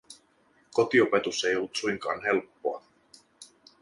Kotiopetus ei ollut suinkaan helppoa.